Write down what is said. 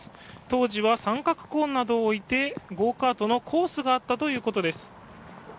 当時は三角コーンなどを置いてゴーカートのコースがあったということです。